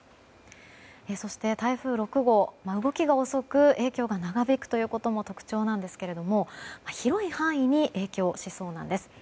そして、台風６号は動きが遅く影響が長引くということも特徴なんですけど広い範囲に影響しそうなんです。